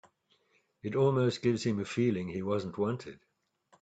It almost gives him a feeling he wasn't wanted.